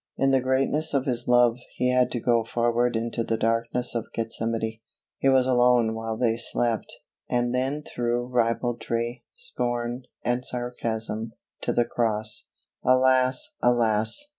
In the greatness of His love He had to go forward into the darkness of Gethsemane. He was alone while they slept, and then through ribaldry, scorn, and sarcasm, to the cross. Alas! alas!